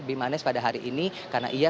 bimanes pada hari ini karena ia